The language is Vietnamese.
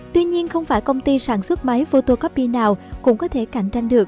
tuy nhiên không phải công ty sản xuất máy photocopy nào cũng có thể cạnh tranh được